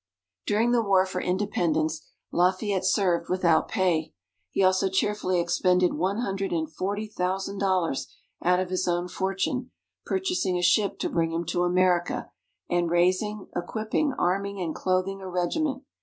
During the War for Independence, Lafayette served without pay. He also cheerfully expended one hundred and forty thousand dollars out of his own fortune, purchasing a ship to bring him to America, and raising, equipping, arming, and clothing a regiment.